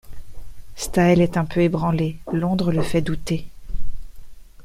Staël est un peu ébranlé, Londres le fait douter.